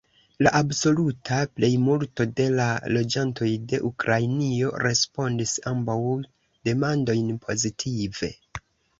La absoluta plejmulto de la loĝantoj de Ukrainio respondis ambaŭ demandojn pozitive.